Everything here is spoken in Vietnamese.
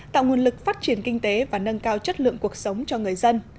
tạo nguồn lực phát triển kinh tế và nâng cao chất lượng cuộc sống cho người dân